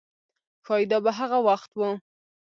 ښایي دا به هغه وخت و.